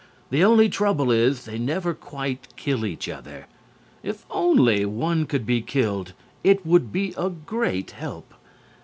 The only trouble is they never quite kill each other. If only one could be killed it would be a great help.